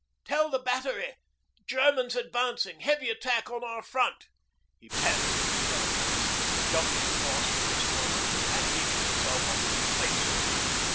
'Tell the Battery, Germans advancing heavy attack on our front!' he panted to the telephonist, jumped across to his corner, and heaved himself up into place.